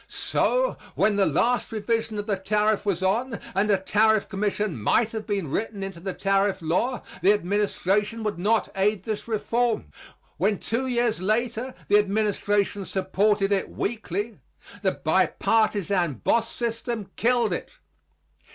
So, when the last revision of the tariff was on and a tariff commission might have been written into the tariff law, the administration would not aid this reform. When two years later the administration supported it weakly, the bi partisan boss system killed it.